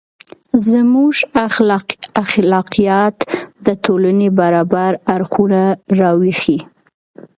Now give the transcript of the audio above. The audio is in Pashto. • زموږ اخلاقیات د ټولنې برابر اړخونه راوښيي.